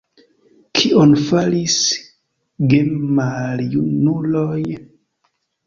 Kion faris gemaljunuloj?